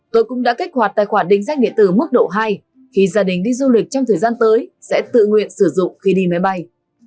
tôi cũng đã kích hoạt tài khoản định danh điện tử mức độ hai khi gia đình đi du lịch trong thời gian tới sẽ tự nguyện sử dụng khi đi máy bay